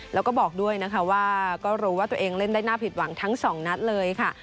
แล้วก็บอกด้วยนะคะว่าก็รู้ว่าตัวเองเล่นได้น่าผิดหวังทั้งสองนัดเลยค่ะ